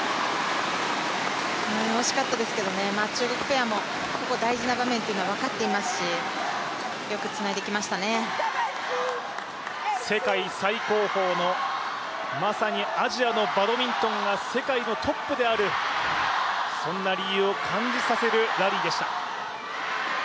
惜しかったですけど中国ペアもここ大事な場面というのは分かっていますし世界最高峰のまさにアジアのバドミントンが世界のトップであるそんな理由を感じさせるラリーでした。